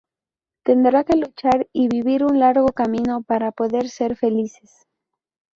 Tendrán que luchar y vivir un largo camino para poder ser felices.